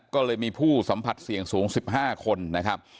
ก็เลยมีผู้สัมผัสเสี่ยงสูง๑๕คนนะครับ